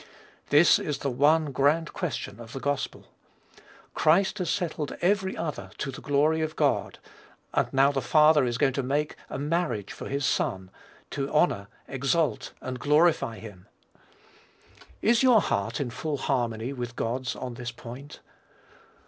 _ This is the one grand question of the gospel. Christ has settled every other to the glory of God; and now the Father is going to "make a marriage for his Son," to honor, exalt, and glorify him. Is your heart in full harmony with God's on this point?